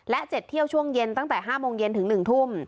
และ๗เที่ยวช่วงเย็นตั้งแต่๕โมงเย็นถึง๑ทุ่ม